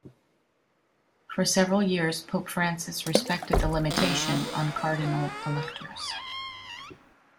For several years Pope Francis respected the limitation on cardinal electors.